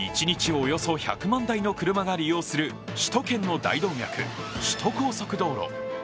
およそ１００万台の車が利用する首都圏の大動脈首都高速道路。